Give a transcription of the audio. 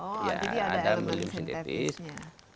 oh jadi ada elemen sintetisnya